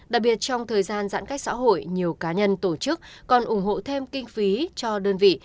đặc biệt trong thời gian giãn cách xã hội nhiều cá nhân tổ chức còn ủng hộ thêm kinh phí cho đơn vị